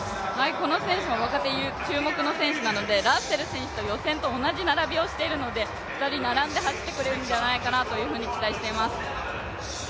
この選手も若手注目の選手なのでラッセル選手と予選と同じ並びをしているので２人並んで走ってくれるんじゃないかなと期待しています。